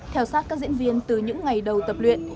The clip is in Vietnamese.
theo sát các diễn viên từ những ngày đầu tập luyện